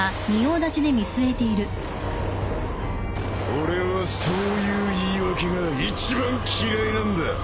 俺はそういう言い訳が一番嫌いなんだ。